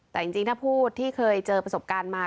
แต่จริงถ้าพูดที่เคยเจอประสบการณ์มา